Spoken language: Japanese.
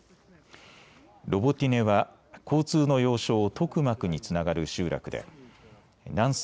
ロボティネは交通の要衝トクマクにつながる集落で南西